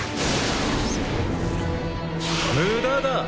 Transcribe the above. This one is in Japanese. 無駄だ。